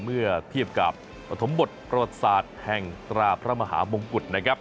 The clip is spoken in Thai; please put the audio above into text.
เมื่อเทียบกับอธมบทโปรดศาสตร์แห่งตราพระมหามงกุฎ